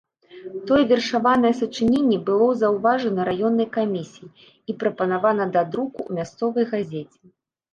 Тое вершаванае сачыненне было заўважана раённай камісіяй і прапанавана да друку ў мясцовай газеце.